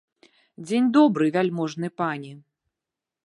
Дзень добры, вяльможны пане!